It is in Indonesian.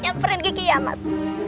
nyamperin gigi ya mas